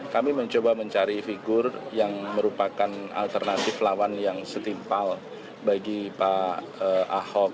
kami mencoba mencari figur yang merupakan alternatif lawan yang setimpal bagi pak ahok